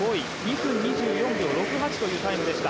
２分２４秒６８というタイムでした。